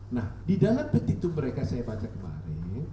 nah di dalam petitum mereka saya baca kemarin